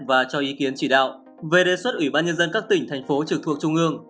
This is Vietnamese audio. và cho ý kiến chỉ đạo về đề xuất ủy ban nhân dân các tỉnh thành phố trực thuộc trung ương